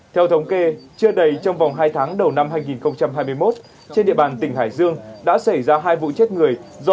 theo thống kê chưa đầy trong vòng hai năm nguyễn văn nam đã sử dụng điện trăng bẫy chuột để bảo vệ hoa màu có tác dụng